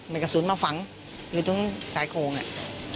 มีกระสุนมาฝังอยู่ตรงซ้ายโครงน่ะ